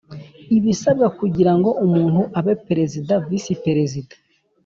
ibisabwa kugira ngo umuntu abe Perezida, Visi Perezida